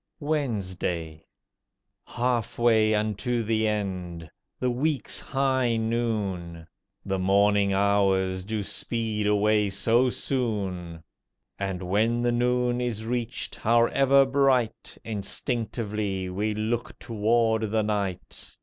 WEDNESDAY Half way unto the end—the week's high noon. The morning hours do speed away so soon! And, when the noon is reached, however bright, Instinctively we look toward the night.